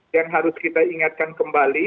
yang harus kita ingatkan kembali